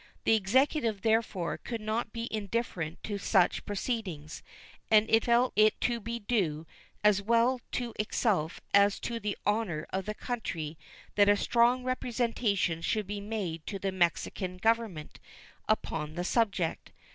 The Executive, therefore, could not be indifferent to such proceedings, and it felt it to be due as well to itself as to the honor of the country that a strong representation should be made to the Mexican Government upon the subject.